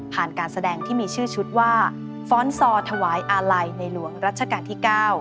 การแสดงที่มีชื่อชุดว่าฟ้อนซอถวายอาลัยในหลวงรัชกาลที่๙